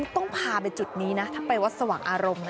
ต้องพาไปจุดนี้นะถ้าไปวัดสว่างอารมณ์นะ